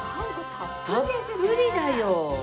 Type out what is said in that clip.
たっぷりだよ。